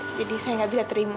jadi saya gak bisa terima